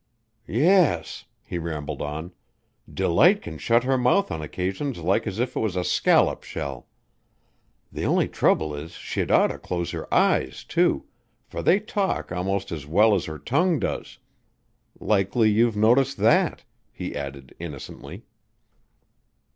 "Yes," he rambled on, "Delight can shut her mouth on occasions like as if it was a scallop shell. The only trouble is she'd oughter close her eyes too, for they talk 'most as well as her tongue does. Likely you've noticed that," he added innocently.